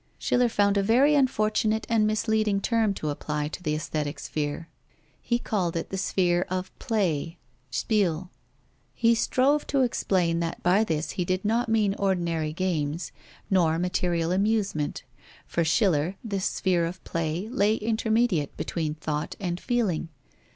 Schiller found a very unfortunate and misleading term to apply to the aesthetic sphere. He called it the sphere of play (Spiel). He strove to explain that by this he did not mean ordinary games, nor material amusement. For Schiller, this sphere of play lay intermediate between thought and feeling.